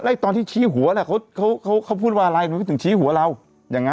แล้วตอนที่ชี้หัวแหละเขาเขาเขาเขาพูดว่าอะไรถึงชี้หัวเราอย่างงั้น